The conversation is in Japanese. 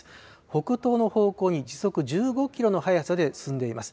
北東の方向に時速１５キロの速さで進んでいます。